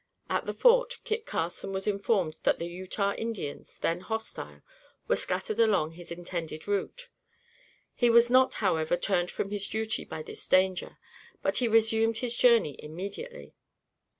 At the Fort, Kit Carson was informed that the Utah Indians, then hostile, were scattered along his intended route. He was not, however, turned from his duty by this danger, but he resumed his journey immediately.